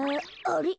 あれ？